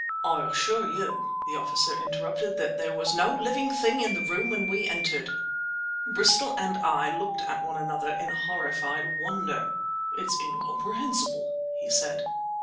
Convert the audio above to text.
"I assure you," the officer interrupted, "that there was no living thing in the room when we entered." Bristol and I looked at one another in horrified wonder. "It's incomprehensible!" he said.